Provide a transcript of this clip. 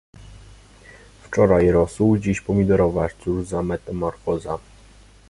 Wczoraj rosół, dziś pomidorowa; cóż za metamorfoza!